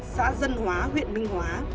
xã dân hóa huyện minh hóa